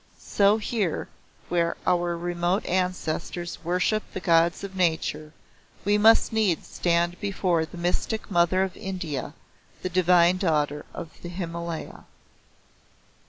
So here, where our remote ancestors worshipped the Gods of Nature, we must needs stand before the Mystic Mother of India, the divine daughter of the Himalaya.